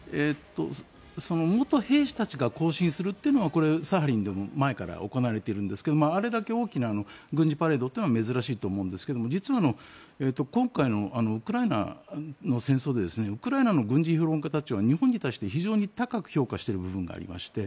元兵士たちが行進するというのはこれ、サハリンでも前から行われているんですけどあれだけ大きな軍事パレードというのも珍しいと思うんですが実は今回のウクライナの戦争でウクライナの軍事評論家たちは日本に対して非常に高く評価している部分がありまして